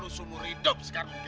lo harus umur hidup sekarang